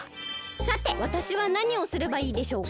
さてわたしはなにをすればいいでしょうか？